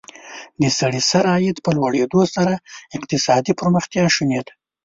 د سړي سر عاید په لوړېدو سره اقتصادي پرمختیا شونې ده.